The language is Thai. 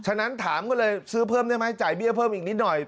ฉะนั้นถามก็เลยซื้อเพิ่มได้ไหมจ่ายเบี้ยเพิ่มอีกนิดหน่อย